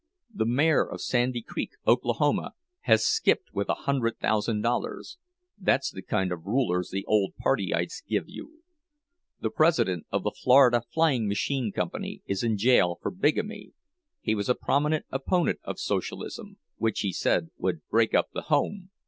"The mayor of Sandy Creek, Oklahoma, has skipped with a hundred thousand dollars. That's the kind of rulers the old partyites give you!" "The president of the Florida Flying Machine Company is in jail for bigamy. He was a prominent opponent of Socialism, which he said would break up the home!"